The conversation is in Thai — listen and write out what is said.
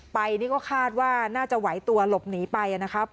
ไปนี่ก็คาดว่าน่าจะไหวตัวหลบหนีไปนะครับ